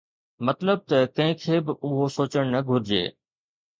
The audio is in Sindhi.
مطلب ته ڪنهن کي به اهو سوچڻ نه گهرجي